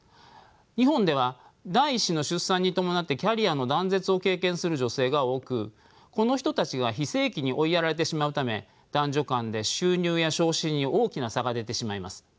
日本では第１子の出産に伴ってキャリアの断絶を経験する女性が多くこの人たちが非正規に追いやられてしまうため男女間で収入や昇進に大きな差が出てしまいます。